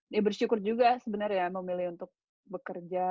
ya bersyukur juga sebenarnya memilih untuk bekerja